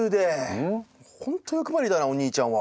ほんと欲張りだなお兄ちゃんは。